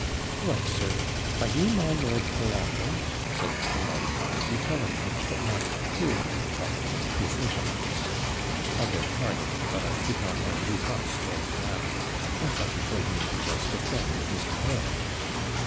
'What, sir! are you my Lord Colambre?' said Mr. Mordicai, recovering, but not clearly recovering, his intellects. 'I beg pardon, but I did not know you WAS Lord Colambre. I thought you told me you was the friend of Mr. Berryl.'